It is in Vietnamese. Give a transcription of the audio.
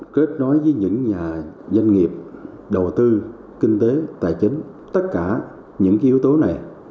kết nối với những nhà doanh nghiệp đầu tư kinh tế tài chính tất cả những yếu tố này